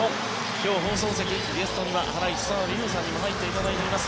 今日放送席、ゲストにはハライチの澤部佑さんにも入っていただいています。